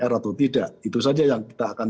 r atau tidak itu saja yang kita akan